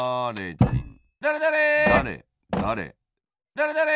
だれだれ！